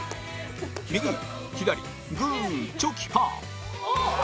右左グーチョキパー